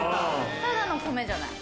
ただの米じゃない。